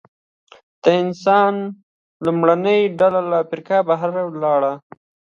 د انسان لومړنۍ ډلې له افریقا بهر ولاړې.